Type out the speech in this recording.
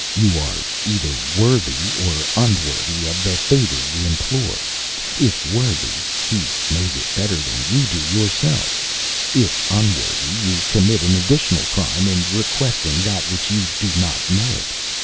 You are either worthy or unworthy of the favour you implore; if worthy, he knows it better than you do yourself; if unworthy, you commit an additional crime in requesting that which you do not merit.